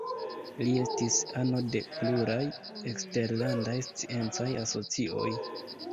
Li estis ano de pluraj eksterlandaj sciencaj asocioj.